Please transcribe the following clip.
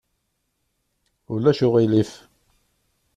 Ulac uɣilif.